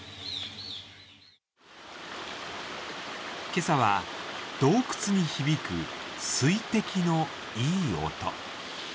今朝は、洞窟に響く水滴のいい音。